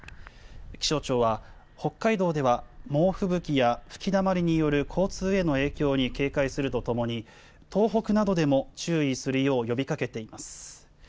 気象庁は北海道では猛吹雪や吹きだまりによる交通への影響に警戒するとともに、東北などでも注意するよう呼びかけています。